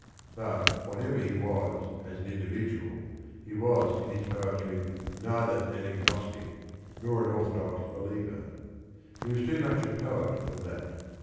But whatever he was as an individual, he was in his poetry neither an agnostic nor an orthodox be liever. He was too much a poet for that.